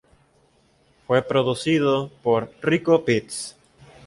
Fue producido por Rico Beats.